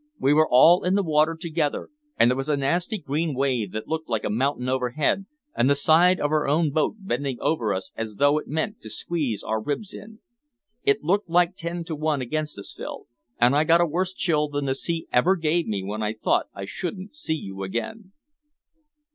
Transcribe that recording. We were all in the water together, and there was a nasty green wave that looked like a mountain overhead, and the side of our own boat bending over us as though it meant to squeeze our ribs in. It looked like ten to one against us, Phil, and I got a worse chill than the sea ever gave me when I thought that I shouldn't see you again."